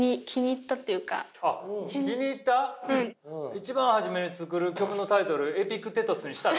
一番初めに作る曲のタイトル「エピクテトス」にしたら？